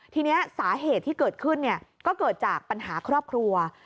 ทีนี้สาเหตุที่เกิดขึ้นก็เกิดจากปัญหาครอบครัว